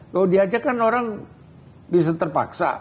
kalau diajak kan orang bisa terpaksa